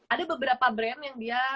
ada beberapa brand yang dia